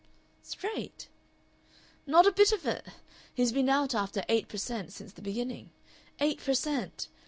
"Straight?" "Not a bit of it! He's been out after eight per cent. since the beginning. Eight per cent.!